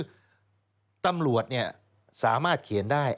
คือตำรวจสามารถเขียนได้